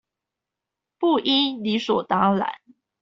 不應理所當然